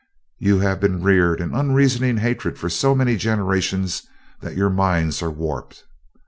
You have been reared in unreasoning hatred for so many generations that your minds are warped.